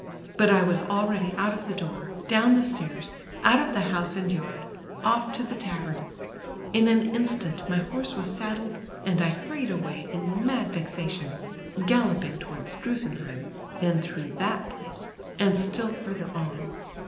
But I was alreadv out of the door, down the stairs, out of the house and yard, oti' to the tavern ; in an instant my horse was saddled, and I hurried away in mad vexation, p:allo])in«^ towards Dru senheim, then through that ])lace, and still further on.